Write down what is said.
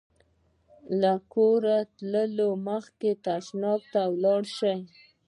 له کوره وتلو مخکې تشناب ته ولاړ شئ.